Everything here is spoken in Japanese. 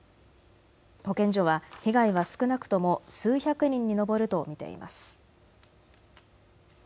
保健所は被害は少なくとも数百人に上ると見ています。